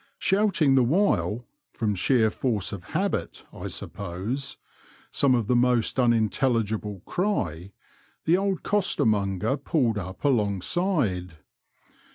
Shouting the while (from sheer force of habit, I suppose) some almost unintelligible cry, the old coster monger pulled up alongside.